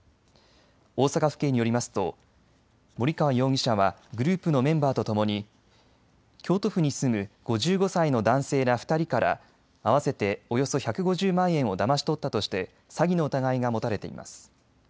大阪府警によりますと森川容疑者はグループのメンバーとともに京都府に住む５５歳の男性ら２人から合わせておよそ１５０万円をだまし取ったとして詐欺の疑いが持たれています。